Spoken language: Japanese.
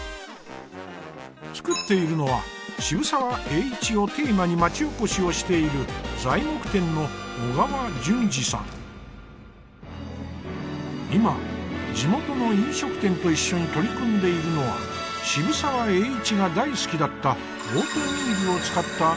作っているのは渋沢栄一をテーマに町おこしをしている今地元の飲食店と一緒に取り組んでいるのは渋沢栄一が大好きだったオートミールを使ったメニューの開発。